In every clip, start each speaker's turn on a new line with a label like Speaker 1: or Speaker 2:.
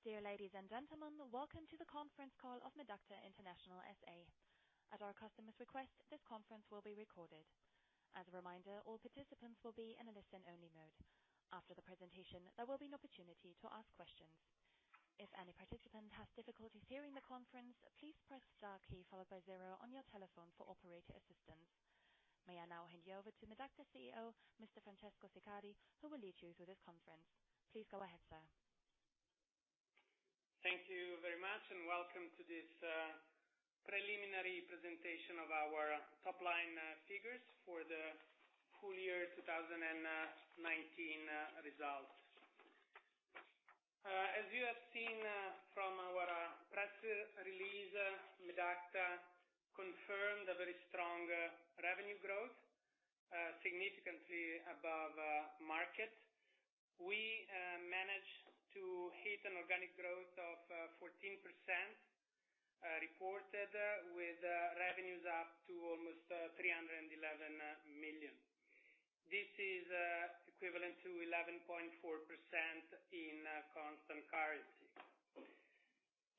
Speaker 1: Dear ladies and gentlemen, welcome to the conference call of Medacta International SA. At our customer's request, this conference will be recorded. As a reminder, all participants will be in a listen-only mode. After the presentation, there will be an opportunity to ask questions. If any participant has difficulty hearing the conference, please press star key followed by zero on your telephone for operator assistance. May I now hand you over to Medacta CEO, Mr. Francesco Siccardi, who will lead you through this conference. Please go ahead, sir.
Speaker 2: Thank you very much, and welcome to this preliminary presentation of our top-line figures for the full year 2019 results. As you have seen from our press release, Medacta confirmed a very strong revenue growth, significantly above market. We managed to hit an organic growth of 14%, reported with revenues up to almost 311 million. This is equivalent to 11.4% in constant currency.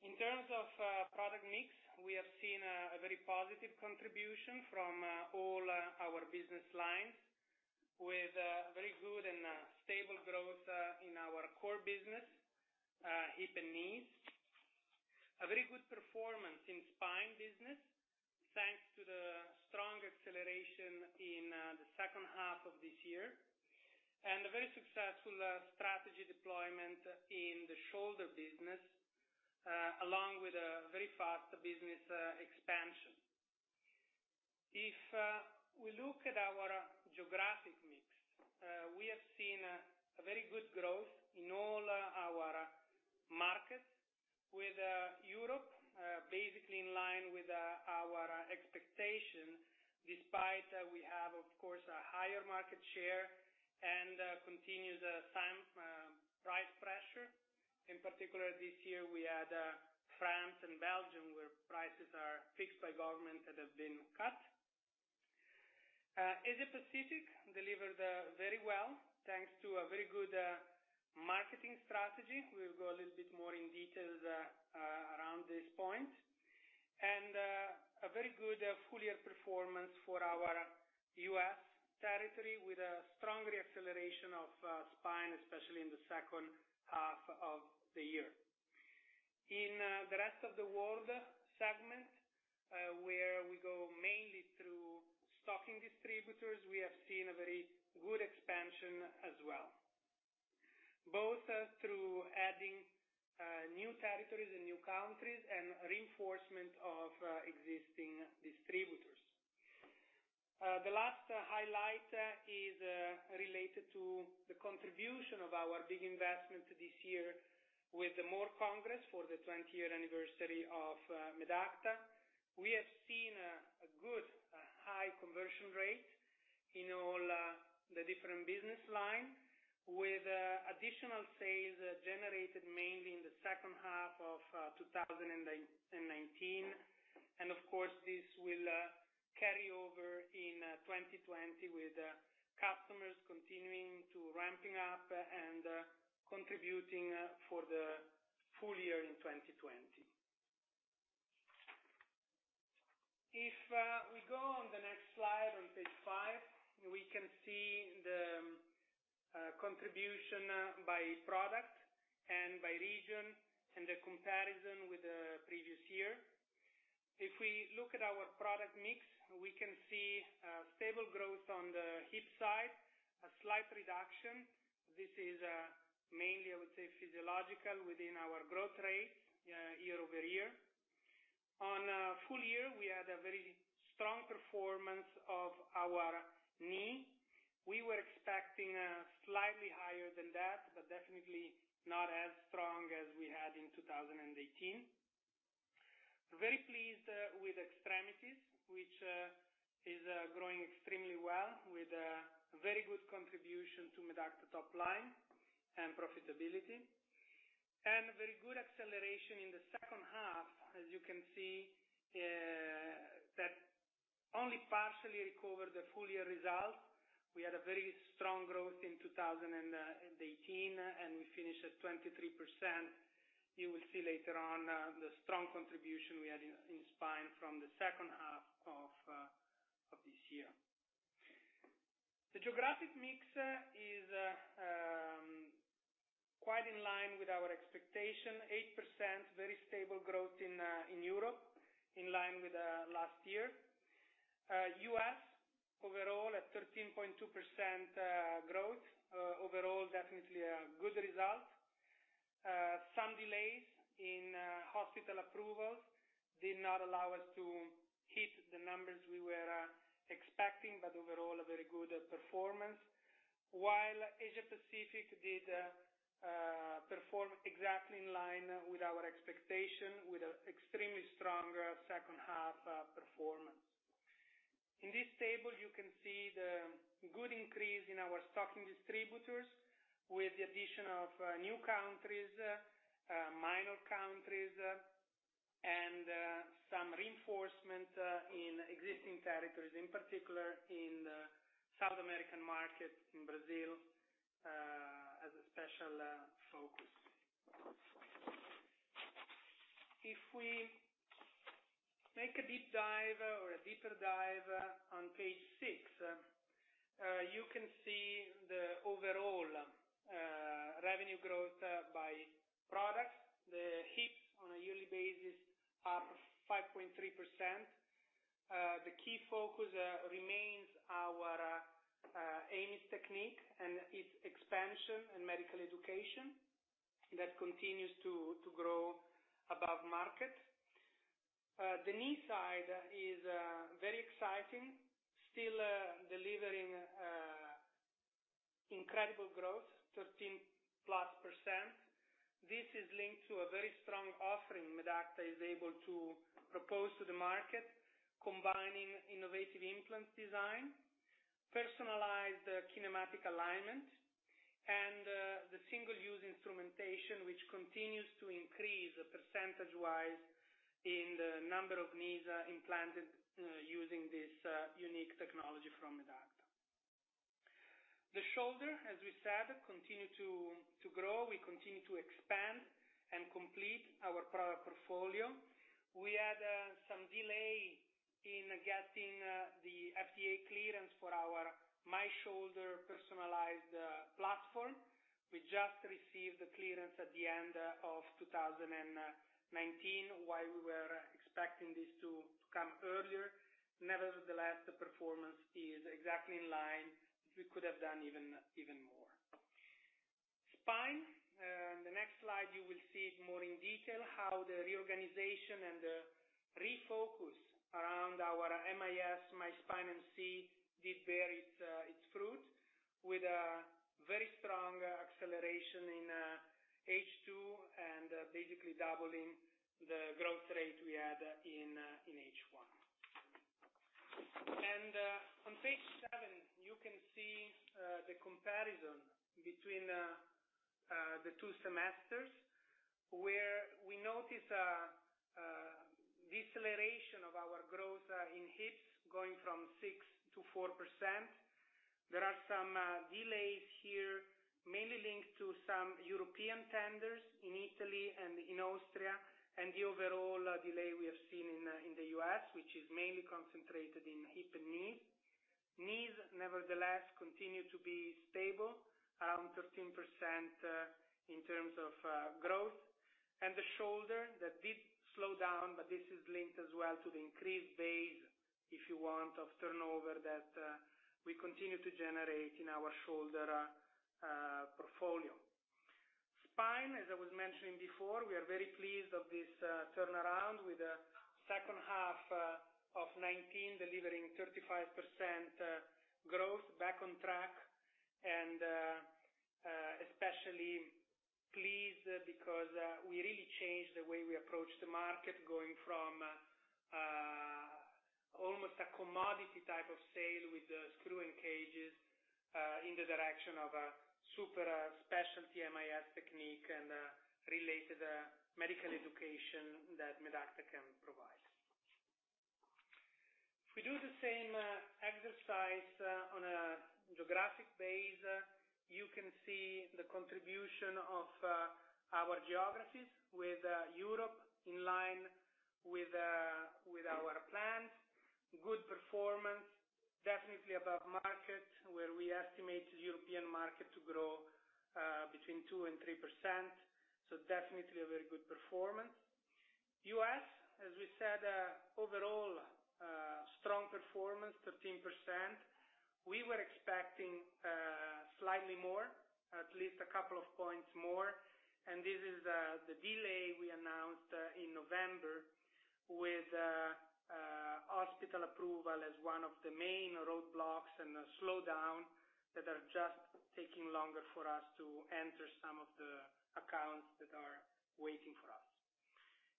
Speaker 2: In terms of product mix, we have seen a very positive contribution from all our business lines with very good and stable growth in our core business, hip and knees. A very good performance in spine business, thanks to the strong acceleration in the second half of this year, and a very successful strategy deployment in the shoulder business, along with a very fast business expansion. If we look at our geographic mix, we have seen a very good growth in all our markets with Europe, basically in line with our expectation, despite we have, of course, a higher market share and continuous price pressure. In particular, this year, we had France and Belgium, where prices are fixed by government that have been cut. Asia-Pacific delivered very well, thanks to a very good marketing strategy. We'll go a little bit more in detail around this point. A very good full year performance for our U.S. territory, with a strong re-acceleration of spine, especially in the second half of the year. In the rest of the world segment, where we go mainly through stocking distributors, we have seen a very good expansion as well, both through adding new territories and new countries and reinforcement of existing distributors. The last highlight is related to the contribution of our big investment this year with the M.O.R.E. Congress for the 20-year anniversary of Medacta. We have seen a good high conversion rate in all the different business line, with additional sales generated mainly in the second half of 2019. Of course, this will carry over in 2020 with customers continuing to ramping up and contributing for the full year in 2020. If we go on the next slide, on page five, we can see the contribution by product and by region and the comparison with the previous year. If we look at our product mix, we can see a stable growth on the hip side, a slight reduction. This is mainly, I would say, physiological within our growth rate year-over-year. On full year, we had a very strong performance of our knee. We were expecting slightly higher than that, but definitely not as strong as we had in 2018. Very pleased with extremities, which is growing extremely well with a very good contribution to Medacta top line and profitability. A very good acceleration in the second half. As you can see, that only partially recovered the full year result. We had a very strong growth in 2018, and we finished at 23%. You will see later on the strong contribution we had in spine from the second half of this year. The geographic mix is quite in line with our expectation, 8%, very stable growth in Europe, in line with last year. U.S. overall at 13.2% growth. Overall, definitely a good result. Some delays in hospital approvals did not allow us to hit the numbers we were expecting, but overall, a very good performance. While Asia-Pacific did perform exactly in line with our expectation with extremely strong second half performance. In this table, you can see the good increase in our stocking distributors with the addition of new countries, minor countries, and some reinforcement in existing territories, in particular in the South American market, in Brazil, as a special focus. If we make a deep dive or a deeper dive on page six, you can see the overall revenue growth by product. The hips on a yearly basis are 5.3%. The key focus remains our AMIS technique and its expansion in medical education that continues to grow above market. The knee side is very exciting. Still delivering incredible growth, 13%+. This is linked to a very strong offering Medacta is able to propose to the market, combining innovative implant design, personalized kinematic alignment, and the single-use instrumentation which continues to increase percentage-wise in the number of knees implanted using this unique technology from Medacta. The shoulder, as we said, continue to grow. We continue to expand and complete our product portfolio. We had some delay in getting the FDA clearance for our MyShoulder personalized platform. We just received the clearance at the end of 2019, while we were expecting this to come earlier. Nevertheless, the performance is exactly in line. We could have done even more. Spine, in the next slide, you will see it more in detail, how the reorganization and the refocus around our MIS, MySpine MC, did bear its fruit. With a very strong acceleration in H2 and basically doubling the growth rate we had in H1. On page seven, you can see the comparison between the two semesters, where we notice a deceleration of our growth in hips, going from 6% to 4%. There are some delays here, mainly linked to some European tenders in Italy and in Austria, and the overall delay we have seen in the U.S., which is mainly concentrated in hip and knees. Knees, nevertheless, continue to be stable, around 13% in terms of growth. The shoulder, that did slow down, but this is linked as well to the increased base, if you want, of turnover that we continue to generate in our shoulder portfolio. Spine, as I was mentioning before, we are very pleased of this turnaround with the second half of 2019 delivering 35% growth back on track and especially pleased because we really changed the way we approach the market, going from almost a commodity type of sale with the screw and cages, in the direction of a super specialty MIS technique and related medical education that Medacta can provide. If we do the same exercise on a geographic base, you can see the contribution of our geographies with Europe in line with our plans. Good performance, definitely above market, where we estimate the European market to grow between 2% and 3%. Definitely a very good performance. U.S., as we said, overall strong performance, 13%. We were expecting slightly more, at least a couple of points more, and this is the delay we announced in November with hospital approval as one of the main roadblocks and a slowdown that are just taking longer for us to enter some of the accounts that are waiting for us.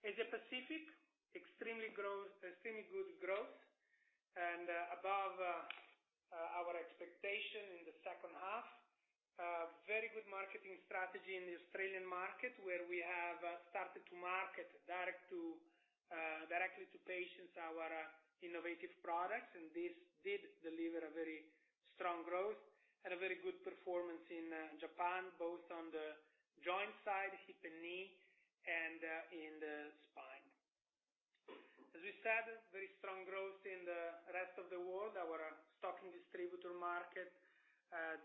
Speaker 2: Asia-Pacific, extremely good growth and above our expectation in the second half. Very good marketing strategy in the Australian market, where we have started to market directly to patients our innovative products, and this did deliver a very strong growth. Had a very good performance in Japan, both on the joint side, hip and knee, and in the spine. As we said, very strong growth in the rest of the world. Our stock and distributor market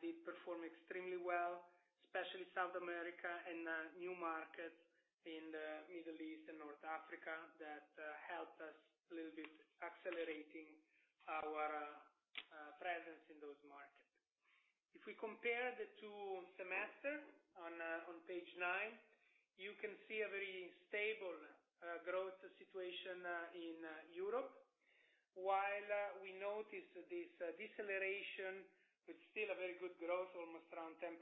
Speaker 2: did perform extremely well, especially South America and new markets in the Middle East and North Africa that helped us a little bit accelerating our presence in those markets. If we compare the two semesters on page nine, you can see a very stable growth situation in Europe. While we notice this deceleration with still a very good growth, almost around 10%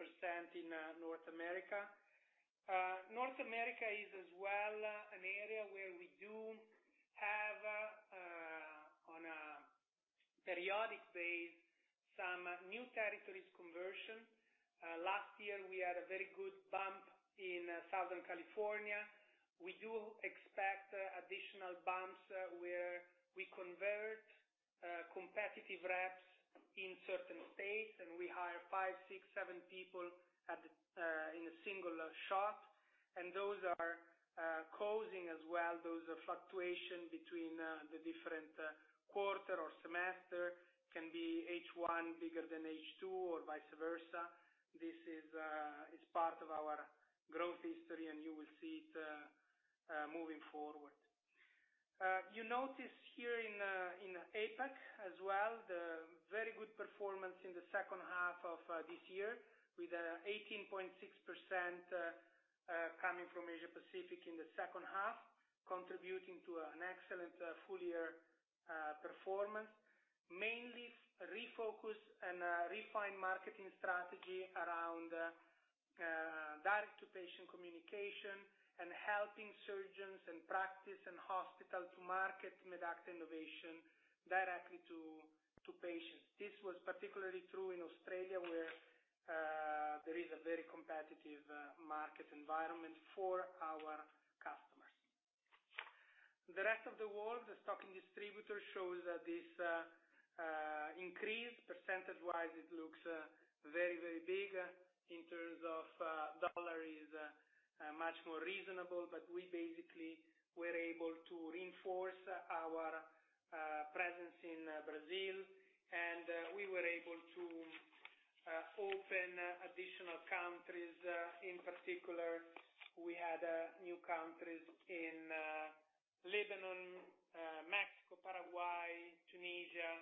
Speaker 2: in North America. North America is as well an area where we do periodic basis, some new territories conversion. Last year, we had a very good bump in Southern California. We do expect additional bumps where we convert competitive reps in certain states, and we hire five, six, seven people in a single shot. Those are causing as well, those fluctuations between the different quarter or semester, can be H1 bigger than H2 or vice versa. This is part of our growth history, and you will see it moving forward. You notice here in APAC as well, the very good performance in the second half of this year with 18.6% coming from Asia-Pacific in the second half, contributing to an excellent full-year performance. Mainly refocus and refine marketing strategy around direct to patient communication and helping surgeons and practice and hospital to market Medacta innovation directly to patients. This was particularly true in Australia, where there is a very competitive market environment for our customers. The rest of the world, the stocking distributor shows that this increase, percentage-wise, it looks very, very big. In terms of dollar is much more reasonable, but we basically were able to reinforce our presence in Brazil, and we were able to open additional countries. In particular, we had new countries in Lebanon, Mexico, Paraguay, Tunisia,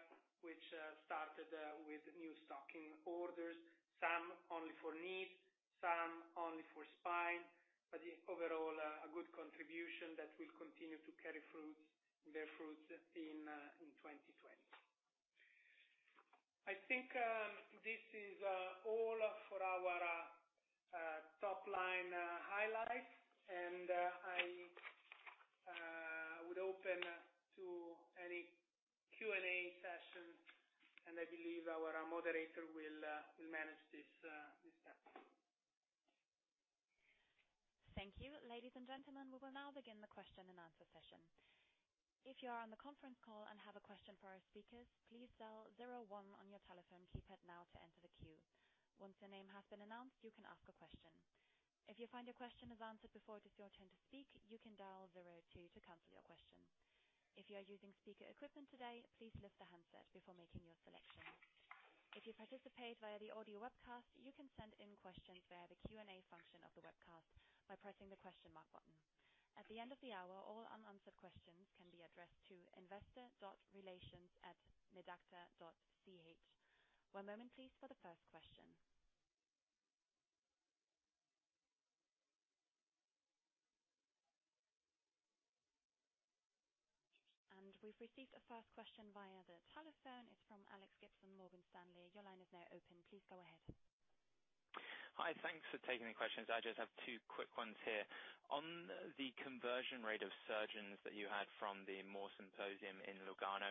Speaker 2: which started with new stocking orders. Some only for knees, some only for spine. Overall, a good contribution that will continue to bear fruits in 2020. I think this is all for our top-line highlights, and I would open to any Q&A session, and I believe our moderator will manage this step.
Speaker 1: Thank you. Ladies and gentlemen, we will now begin the question and answer session. If you are on the conference call and have a question for our speakers, please dial zero one on your telephone keypad now to enter the queue. Once your name has been announced, you can ask a question. If you find your question is answered before it is your turn to speak, you can dial zero two to cancel your question. If you are using speaker equipment today, please lift the handset before making your selection. If you participate via the audio webcast, you can send in questions via the Q&A function of the webcast by pressing the question mark button. At the end of the hour, all unanswered questions can be addressed to investor.relations@medacta.ch. One moment please for the first question. We've received a first question via the telephone. It's from Alex Gibson, Morgan Stanley. Your line is now open. Please go ahead.
Speaker 3: Hi. Thanks for taking the questions. I just have two quick ones here. On the conversion rate of surgeons that you had from the M.O.R.E. Symposium in Lugano,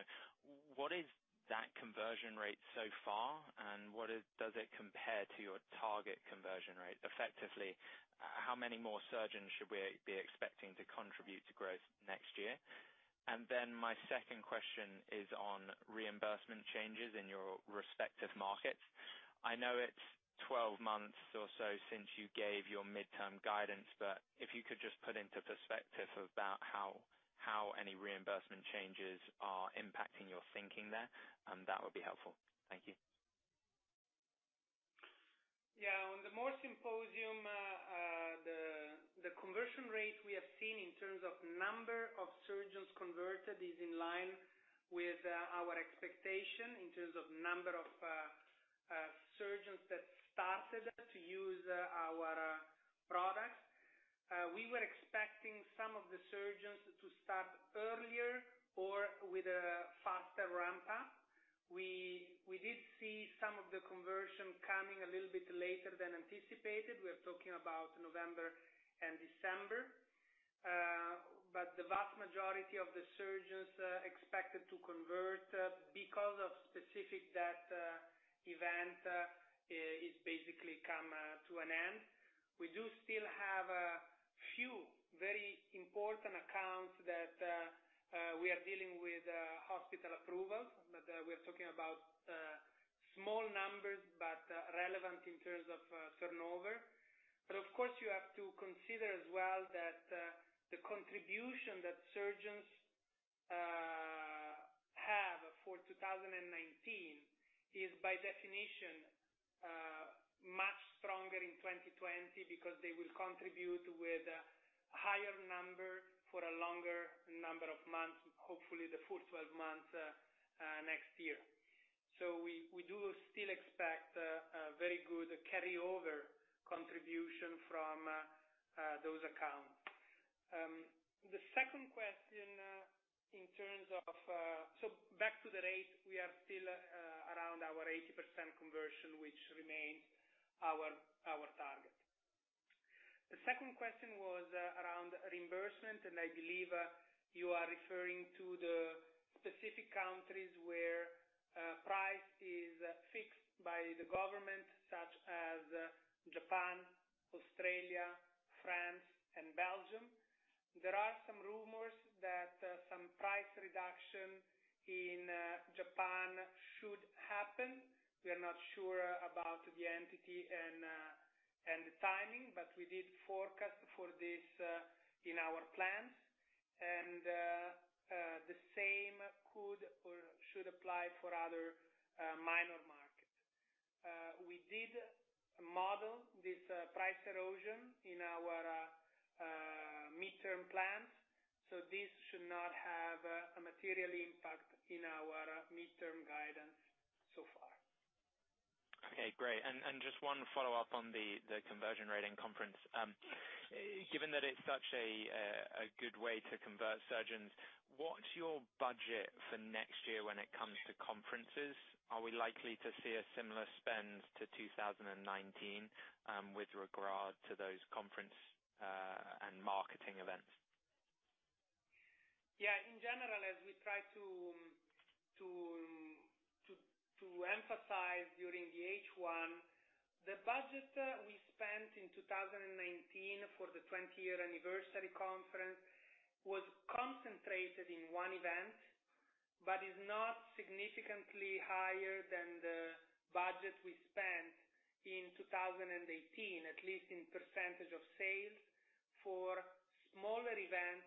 Speaker 3: what is that conversion rate so far, and how does it compare to your target conversion rate? Effectively, how many more surgeons should we be expecting to contribute to growth next year? My second question is on reimbursement changes in your respective markets. I know it's 12 months or so since you gave your midterm guidance, but if you could just put into perspective about how any reimbursement changes are impacting your thinking there, that would be helpful. Thank you.
Speaker 2: Yeah. On the M.O.R.E. Symposium, the conversion rate we have seen in terms of number of surgeons converted is in line with our expectation in terms of number of surgeons that started to use our products. We were expecting some of the surgeons to start earlier or with a faster ramp-up. We did see some of the conversion coming a little bit later than anticipated. We're talking about November and December. The vast majority of the surgeons expected to convert because of specific that event is basically come to an end. We do still have a few very important accounts that we are dealing with hospital approvals. We're talking about small numbers, but relevant in terms of turnover. Of course, you have to consider as well that the contribution that surgeons have for 2019 is by definition, much stronger in 2020 because they will contribute with a higher number for a longer number of months, hopefully the full 12 months next year. We do still expect a very good carryover contribution from those accounts. The second question back to the rate, we are still around our 80% conversion, which remains our target. The second question was around reimbursement. I believe you are referring to the specific countries where price is fixed by the government, such as Japan, Australia, France, and Belgium. There are some rumors that some price reduction in Japan should happen. We are not sure about the entity and the timing. We did forecast for this in our plans. The same could or should apply for other minor markets. We did model this price erosion in our midterm plans. This should not have a material impact on our midterm guidance so far.
Speaker 3: Okay, great. Just one follow-up on the conversion rate in conference. Given that it's such a good way to convert surgeons, what's your budget for next year when it comes to conferences? Are we likely to see a similar spend to 2019 with regard to those conference and marketing events?
Speaker 2: Yeah. In general, as we try to emphasize during the H1, the budget we spent in 2019 for the 20-year anniversary conference was concentrated in one event, but is not significantly higher than the budget we spent in 2018, at least in percentage of sales for smaller events.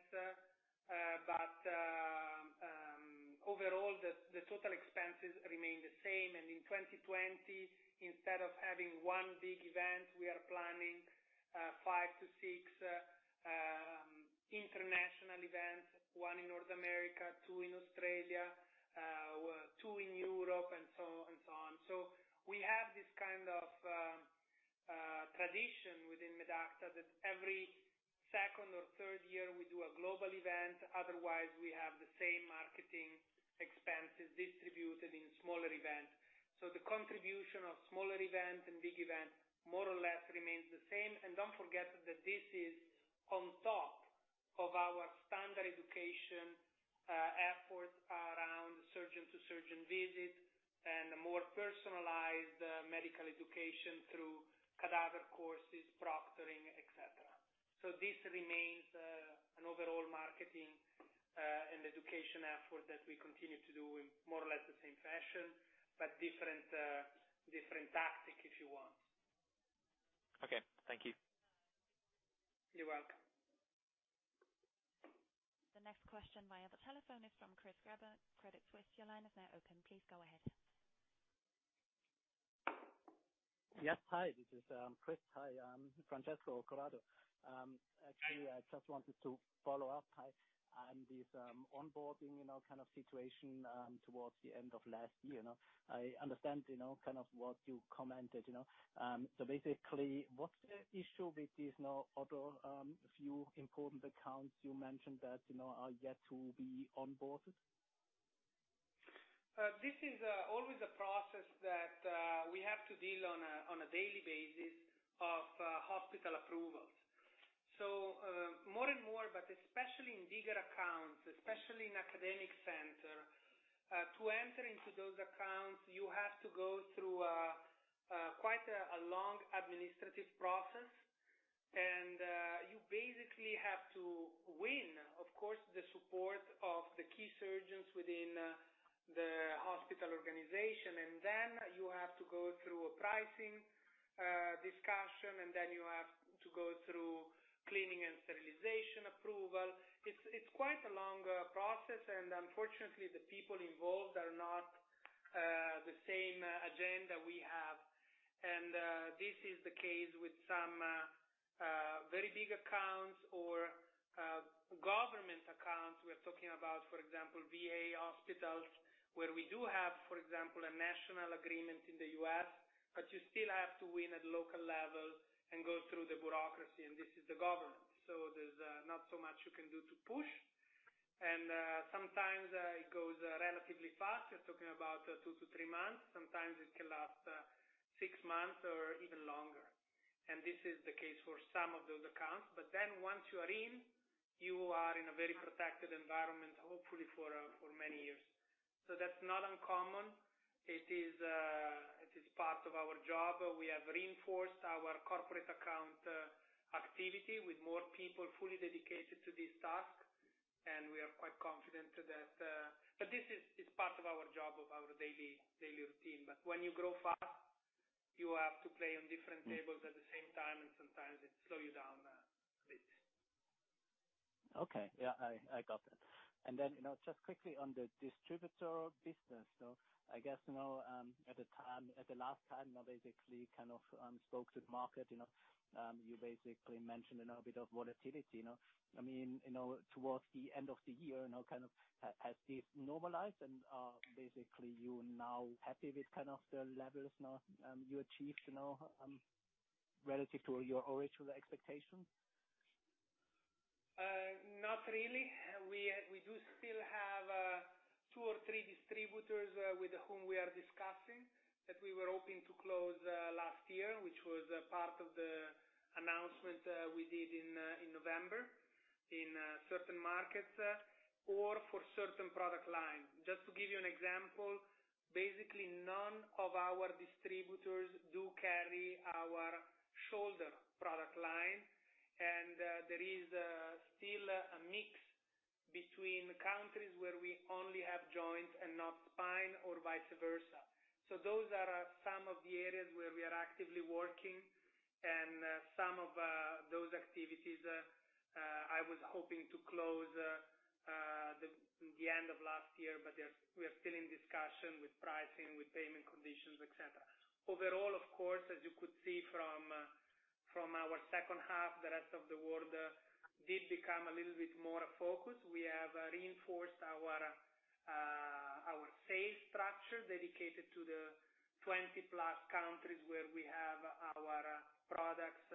Speaker 2: Overall, the total expenses remain the same. In 2020, instead of having one big event, we are planning five to six international events, one in North America, two in Australia, two in Europe, and so on. We have this kind of tradition within Medacta that every second or third year, we do a global event. Otherwise, we have the same marketing expenses distributed in smaller events. The contribution of smaller events and big events more or less remains the same. Don't forget that this is on top of our standard education effort around surgeon-to-surgeon visits and more personalized medical education through cadaver courses, proctoring, et cetera. This remains an overall marketing and education effort that we continue to do in more or less the same fashion, but different tactic, if you want.
Speaker 3: Okay. Thank you.
Speaker 2: You're welcome.
Speaker 1: The next question, via the telephone, is from Chris Gretler, Credit Suisse. Your line is now open. Please go ahead.
Speaker 4: Yes. Hi, this is Chris. Hi, Francesco. Actually, I just wanted to follow up on this onboarding kind of situation towards the end of last year. I understand kind of what you commented. Basically, what's the issue with these other few important accounts you mentioned that are yet to be onboarded?
Speaker 2: This is always a process that we have to deal on a daily basis of hospital approvals. More and more, but especially in bigger accounts, especially in academic centers, to enter into those accounts, you have to go through quite a long administrative process. You basically have to win, of course, the support of the key surgeons within the hospital organization. You have to go through a pricing discussion, and then you have to go through cleaning and sterilization approval. It's quite a long process, and unfortunately, the people involved are not the same agenda we have. This is the case with some very big accounts or government accounts. We are talking about, for example, VA hospitals, where we do have, for example, a national agreement in the U.S., but you still have to win at local levels and go through the bureaucracy, and this is the government. There's not so much you can do to push. Sometimes it goes relatively fast. You're talking about two to three months. Sometimes it can last six months or even longer. This is the case for some of those accounts. Once you are in, you are in a very protected environment, hopefully for many years. That's not uncommon. It is part of our job. We have reinforced our corporate account activity with more people fully dedicated to this task, and we are quite confident to that. This is part of our job, of our daily routine. When you grow fast, you have to play on different tables at the same time, and sometimes it slows you down a bit.
Speaker 4: Okay. Yeah, I got that. Just quickly on the distributor business. I guess, at the last time, spoke to the market, you mentioned a bit of volatility. I mean, towards the end of the year, has this normalized and are you now happy with the levels you achieved relative to your original expectations?
Speaker 2: Not really. We do still have two or three distributors with whom we are discussing, that we were hoping to close last year, which was part of the announcement we did in November, in certain markets or for certain product lines. Just to give you an example, basically none of our distributors do carry our shoulder product line. There is still a mix between countries where we only have joints and not spine, or vice versa. Those are some of the areas where we are actively working, and some of those activities I was hoping to close the end of last year, but we are still in discussion with pricing, with payment conditions, et cetera. Overall, of course, as you could see from our second half, the rest of the world did become a little bit more focused. We have reinforced our sales structure dedicated to the 20+ countries where we have our products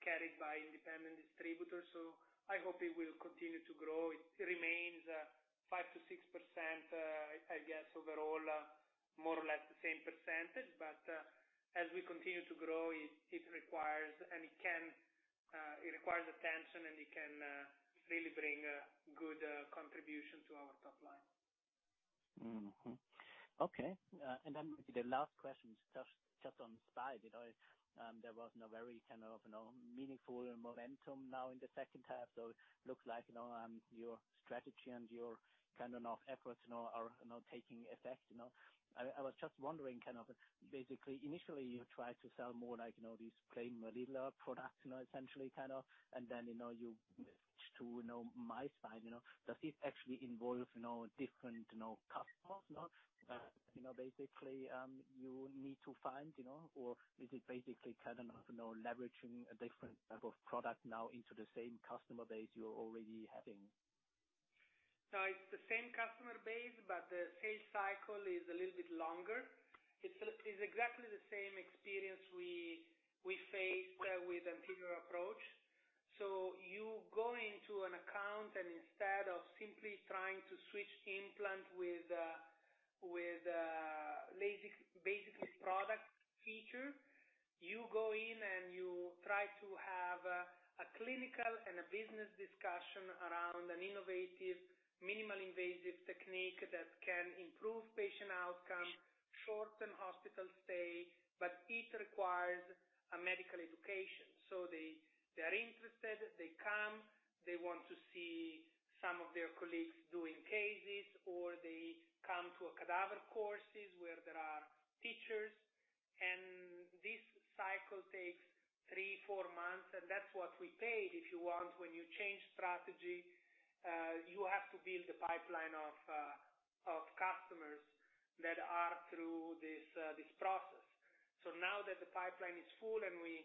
Speaker 2: carried by independent distributors. I hope it will continue to grow. It remains 5% to 6%, I guess, overall, more or less the same percentage. As we continue to grow, it requires attention and it can really bring good contribution to our top line.
Speaker 4: Okay. The last question, just on spine. There was no very meaningful momentum now in the second half. Looks like your strategy and your efforts are now taking effect. I was just wondering, basically, initially, you tried to sell more these plain vanilla products, essentially, and then, you switched to MySpine. Does this actually involve different customers now, basically you need to find, or is it basically leveraging a different type of product now into the same customer base you're already having?
Speaker 2: It's the same customer base, but the sales cycle is a little bit longer. It's exactly the same experience we faced with anterior approach. You go into an account and instead of simply trying to switch implant with a basic product feature, you go in and you try to have a clinical and a business discussion around an innovative, minimally invasive technique that can improve patient outcome, shorten hospital stay, but it requires a medical education. They are interested, they come, they want to see some of their colleagues doing cases, or they come to cadaver courses where there are teachers. This cycle takes three, four months, and that's what we paid, if you want, when you change strategy, you have to build a pipeline of customers that are through this process. Now that the pipeline is full and we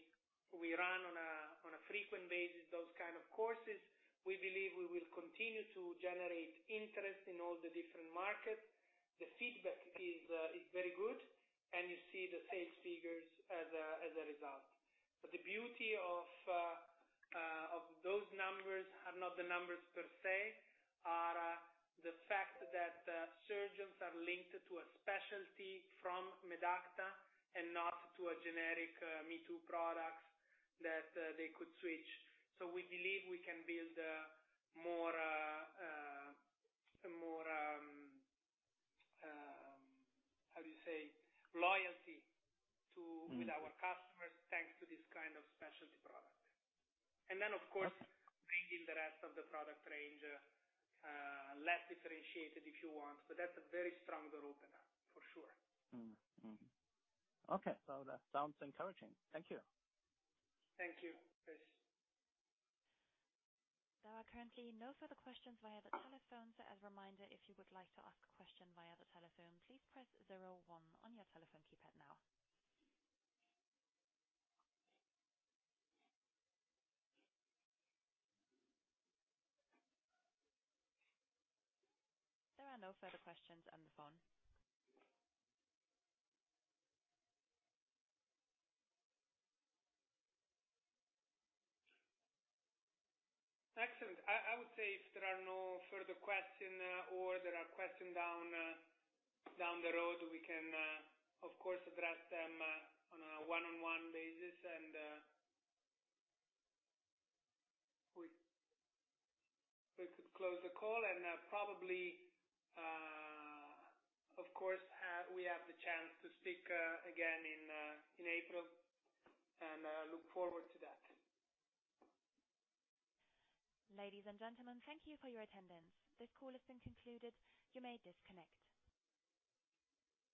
Speaker 2: run on a frequent basis those kind of courses, we believe we will continue to generate interest in all the different markets. The feedback is very good, and you see the sales figures as a result. The beauty of those numbers are not the numbers per se, are the fact that surgeons are linked to a specialty from Medacta and not to a generic me-too products that they could switch. We believe we can build a more, how do you say, loyalty with our customers thanks to this kind of specialty product. Of course, bringing the rest of the product range, less differentiated, if you want. That's a very stronger opener, for sure.
Speaker 4: Okay. That sounds encouraging. Thank you.
Speaker 2: Thank you, Chris.
Speaker 1: There are currently no further questions via the telephone. As a reminder, if you would like to ask a question via the telephone, please press zero one on your telephone keypad now. There are no further questions on the phone.
Speaker 2: Excellent. I would say if there are no further question or there are question down the road, we can, of course, address them on a one-on-one basis. We could close the call and probably, of course, we have the chance to speak again in April, and I look forward to that.
Speaker 1: Ladies and gentlemen, thank you for your attendance. This call has been concluded. You may disconnect.